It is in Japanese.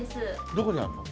どこにあるの？